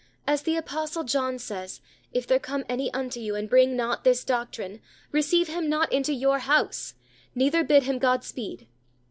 As the apostle John says: "If there come any unto you, and bring not this doctrine, receive him not into your house, neither bid him God speed."